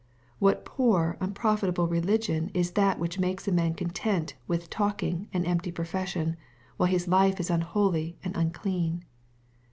What poor unprofitable religion is that which makes a man content with talking and empty profession, while his life is unholy and un clean